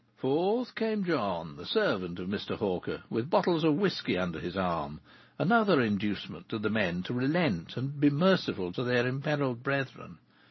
Fourth came John, the servant of Mr. Hawker, with bottles of whisky under his arm, another inducement to the men to relent and be merciful to their imperiled brethren.